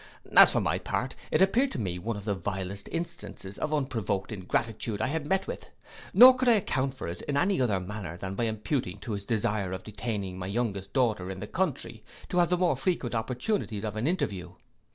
As for my part, it appeared to me one of the vilest instances of unprovoked ingratitude I had met with. Nor could I account for it in any other manner than by imputing it to his desire of detaining my youngest daughter in the country, to have the more frequent opportunities of an interview.